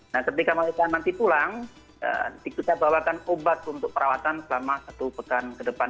nah ketika mereka nanti pulang kita bawakan obat untuk perawatan selama satu pekan ke depan